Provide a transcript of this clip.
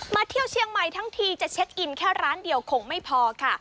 เที่ยวเชียงใหม่ทั้งทีจะเช็คอินแค่ร้านเดียวคงไม่พอค่ะ